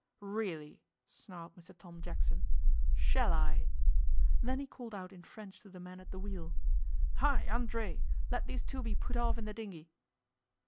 'Really!' snarled Mr Tom Jackson. 'Shall I!' Then he called out in French to the man at the wheel, 'Hi André! let these two be put off in the dinghy.